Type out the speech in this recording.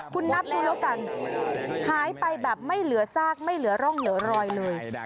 คุณนับดูแล้วกันหายไปแบบไม่เหลือซากไม่เหลือร่องเหลือรอยเลย